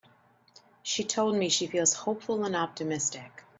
She told me she feels hopeful and optimistic.